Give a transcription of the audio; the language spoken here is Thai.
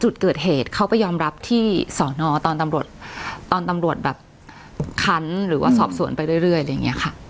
จุดเกิดเหตุเขาไปยอมรับที่สอนอตอนตำรวจตอนตำรวจแบบคันหรือว่าสอบสวนไปเรื่อยอะไรอย่างเงี้ยค่ะ